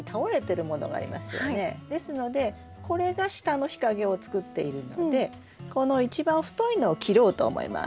ですのでこれが下の日陰を作っているのでこの一番太いのを切ろうと思います。